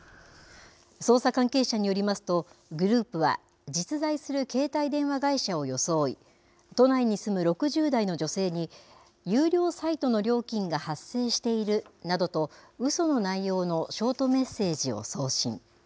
捜査関係者によりますと、グループは、実在する携帯電話会社を装い、都内に住む６０代の女性に、有料サイトの料金が発生しているなどと、うその内容のショートメッセージを送信。